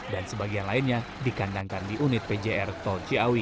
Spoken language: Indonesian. dan sebagian lainnya dikandangkan di unit pjr to ciawi